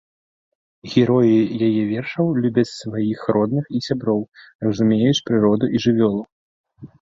Героі яе вершаў любяць сваіх родных і сяброў, разумеюць прыроду і жывёлу.